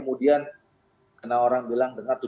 jadi angka itu sebenarnya bukan angka itu